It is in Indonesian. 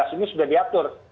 ini sudah diatur